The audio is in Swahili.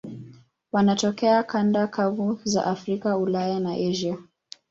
Wanatokea kanda kavu za Afrika, Ulaya na Asia.